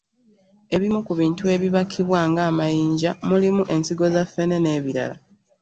Ebimu ku bintu ebibakibwa ng’amayinja mulimu: ensigo za ffene n’ebirala.